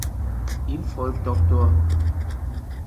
Ihm folgt Dr.